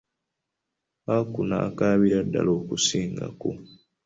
Aku n'akaabira ddala okusingako.